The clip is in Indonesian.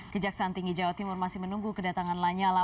kejaksaan tinggi jawa timur masih menunggu kedatangan lanyala